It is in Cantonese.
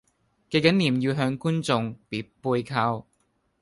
記緊臉要向觀眾別背靠